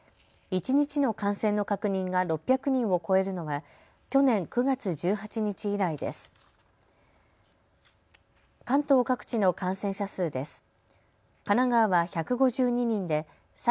一日の感染の確認が６００人を超えるのは去年９月１８日以来です。